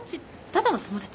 ただの友達。